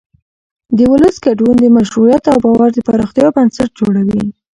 د ولس ګډون د مشروعیت او باور د پراختیا بنسټ جوړوي